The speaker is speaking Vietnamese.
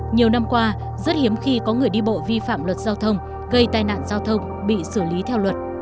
nhiều năm qua rất hiếm khi có người đi bộ vi phạm luật giao thông gây tai nạn giao thông bị xử lý theo luật